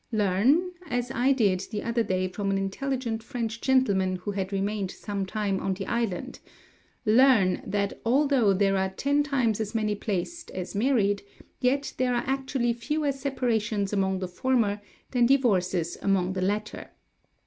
Learn (as I did the other day from an intelligent French gentleman who had remained some time on the island) learn, that _although there are ten times as many placed as married, yet there are actually fewer separations among the former than divorces among the latter_.